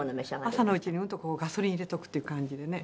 朝のうちにうんとガソリン入れておくっていう感じでね